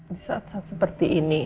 disaat saat seperti ini